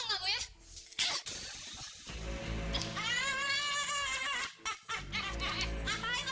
siapa yang akan menentukan